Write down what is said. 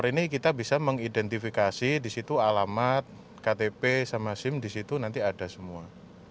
hari ini kita bisa mengidentifikasi di situ alamat ktp sama sim di situ nanti ada semua